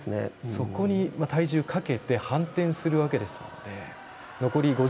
そこに体重かけて反転するわけですもんね。